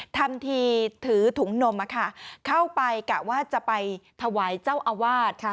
ทำทีถือถุงนมเข้าไปกะว่าจะไปถวายเจ้าอาวาส